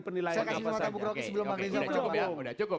penilaian apa saja